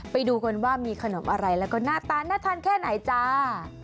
ไปดูกันว่ามีขนมอะไรแล้วก็หน้าตาน่าทานแค่ไหนจ้า